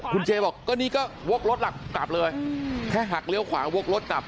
คุณเจบอกก็นี่ก็วกรถหลักกลับเลยแค่หักเลี้ยวขวาวกรถกลับ